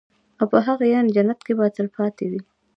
او په هغه يعني جنت كي به تل تلپاتي وي